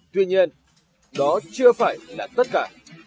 tuy nhiên đó chưa phải là tất cả